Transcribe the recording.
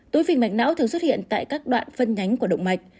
tối phình mạch não thường xuất hiện tại các đoạn phân nhánh của động mạch